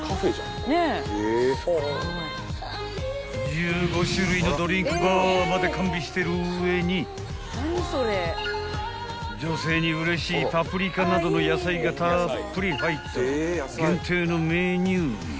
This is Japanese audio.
［１５種類のドリンクバーまで完備してる上に女性にうれしいパプリカなどの野菜がたっぷり入った限定のメニューや］